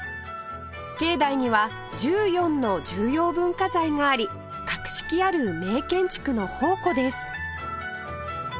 境内には１４の重要文化財があり格式ある名建築の宝庫です